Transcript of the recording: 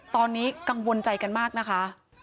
ตอนนี้กังวลใจกันมากนะคะ